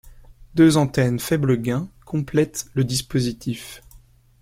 Deux antennes faible gain complètent le dispositif.